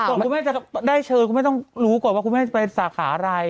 คุณแม่จะได้เชิญคุณแม่ต้องรู้ก่อนว่าคุณแม่จะไปสาขาอะไร